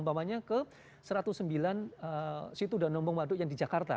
bawanya ke satu ratus sembilan situdan nombong waduk yang di jakarta